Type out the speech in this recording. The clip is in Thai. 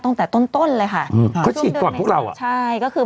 ตั้งแต่ต้นต้นเลยค่ะอืมเขาฉีดก่อนพวกเราอ่ะใช่ก็คือ